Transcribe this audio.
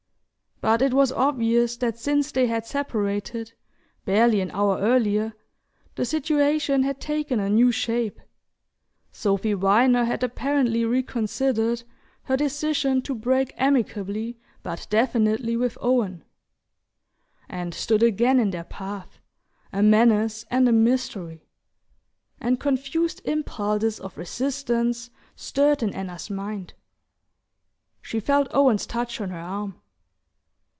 But it was obvious that since they had separated, barely an hour earlier, the situation had taken a new shape. Sophy Viner had apparently reconsidered her decision to break amicably but definitely with Owen, and stood again in their path, a menace and a mystery; and confused impulses of resistance stirred in Anna's mind. She felt Owen's touch on her arm.